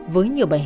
với nhiều bài hát